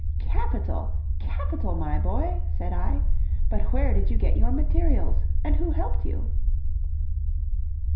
"Capital, capital! my boy," said I, "but where did you get your materials, and who helped you?"